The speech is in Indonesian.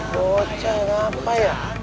bocah ngapain ya